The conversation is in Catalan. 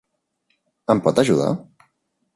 Em pot ajudar?